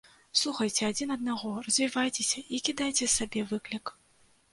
Слухайце адзін аднаго, развівайцеся і кідайце сабе выклік.